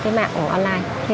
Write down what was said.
cái mạng online